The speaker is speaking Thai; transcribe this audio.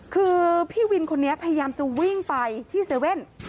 คือพี่วินคนนี้พยายามจะวิ่งไปที่๗๑๑